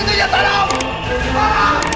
tadinya tidak ada siapa siapa lagi